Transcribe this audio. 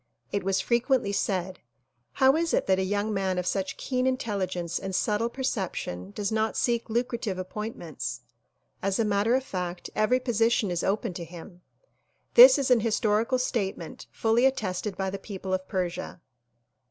It was fre quently said "How is it that a young man of such keen intelli gence and subtle perception does not seek lucrative appointments? As a matter of fact every position is open to him." This is a historical statement fully attested by the people of Persia.